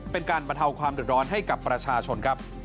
เป็นการประเทาความทดลองให้กับประชาชน